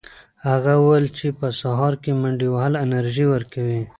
هغه وویل چې په سهار کې منډې وهل انرژي ورکوي.